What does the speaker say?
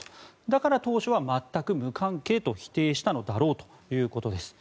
だから当初は全く無関係と否定したのだろうということです。